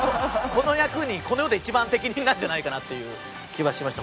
この役にこの世で一番適任なんじゃないかなっていう気はしました。